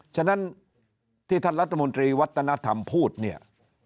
ฉะนั้นที่ท่านรัฐมนตรีวัฒนธรรมพูดเนี่ย